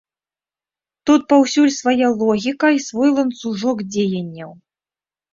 Тут паўсюль свая логіка і свой ланцужок дзеянняў.